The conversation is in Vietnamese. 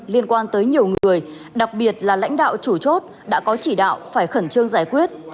liên quan tới nhiều người đặc biệt là lãnh đạo chủ chốt đã có chỉ đạo phải khẩn trương giải quyết